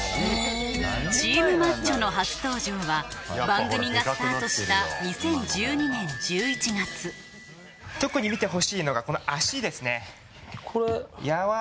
チームマッチョの初登場は番組がスタートした２０１２年１１月特に見てほしいのがこの足ですね。